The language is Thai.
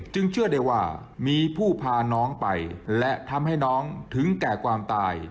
เชื่อได้ว่ามีผู้พาน้องไปและทำให้น้องถึงแก่ความตาย